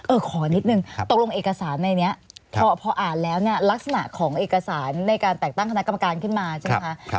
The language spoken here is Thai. ขอนิดนึงตกลงเอกสารในนี้พออ่านแล้วเนี่ยลักษณะของเอกสารในการแต่งตั้งคณะกรรมการขึ้นมาใช่ไหมคะ